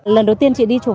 lần đầu tiên chị đi chụp